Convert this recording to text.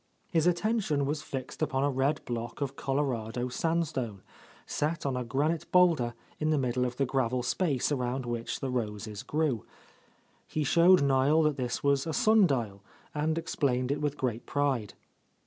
His attention was fixed upon a red block of Colorado sandstone, set on a granite boulder in the middle of the gravel space around which the roses grew. He showed Niel that this was a sun dial, and explained it with great pride.